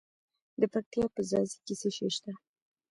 د پکتیا په ځاځي کې څه شی شته؟